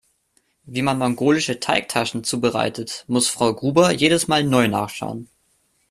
Wie man mongolische Teigtaschen zubereitet, muss Frau Gruber jedes Mal neu nachschauen.